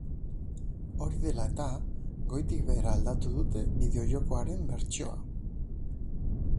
Hori dela eta, goitik behera aldatu dute bideo-joko haren bertsio hau.